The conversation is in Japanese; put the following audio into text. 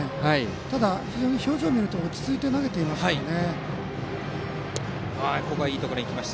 ただ、非常に表情を見ると落ち着いて投げていますからね。